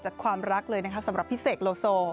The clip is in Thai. จากความรักเลยสำหรับพี่เสกโลโซ